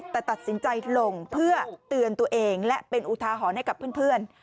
แต่ตัดสินใจลงเพื่อเตือนตัวเองและเป็นอุทาหรณ์ให้กับเพื่อน